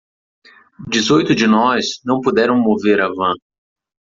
Dezoito de nós não puderam mover a van.